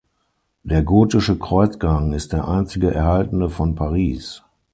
Der gotische Kreuzgang ist der einzige erhaltene von Paris.